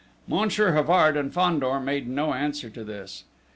Monsieur Havard and Fandor made no answer to this.